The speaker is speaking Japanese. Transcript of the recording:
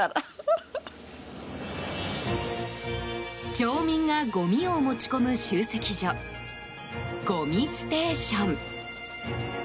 町民が、ごみを持ち込む集積所ごみステーション。